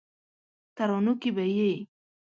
ترانو کې به یې